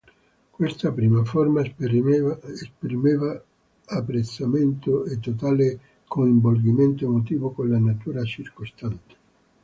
Questa prima forma esprimeva apprezzamento e totale coinvolgimento emotivo con la natura circostante.